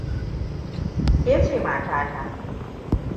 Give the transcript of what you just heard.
Ke ce mata ta.